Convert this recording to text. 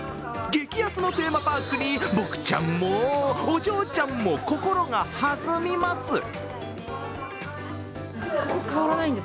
激安のテーマパークに僕ちゃんもお嬢ちゃんも心が弾みます。